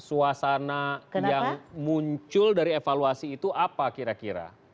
suasana yang muncul dari evaluasi itu apa kira kira